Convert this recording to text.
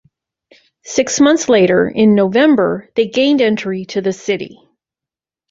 Six months later, in November, they gained entry to the city.